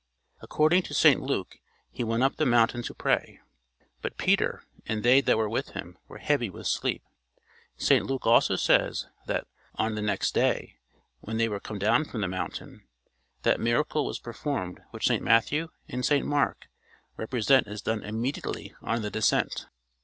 According to St Luke he went up the mountain to pray, "but Peter and they that were with him were heavy with sleep." St Luke also says that "on the next day, when they were come down from the mountain," that miracle was performed which St Matthew and St Mark represent as done immediately on the descent.